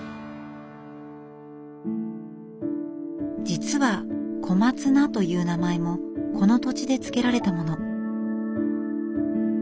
実は小松菜という名前もこの土地で付けられたもの。